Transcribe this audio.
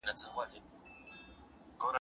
باغ مې وجود و